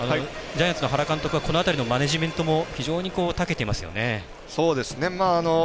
ジャイアンツの原監督はこの辺りのマネジメントも非常にたけてますよね。